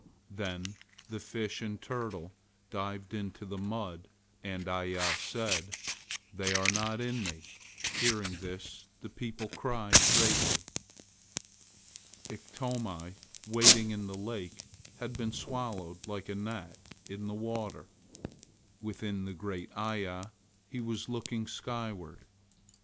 Then the Fish and the Turtle dived into the mud; and Iya said: "They are not in me." Hearing this the people cried greatly. Iktomi wading in the lake had been swallowed like a gnat in the water. Within the great Iya he was looking skyward.